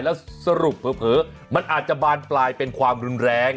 แล้วสรุปเผลอมันอาจจะบานปลายเป็นความรุนแรง